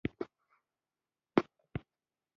انګور د افغانستان د بشري فرهنګ یوه برخه ده.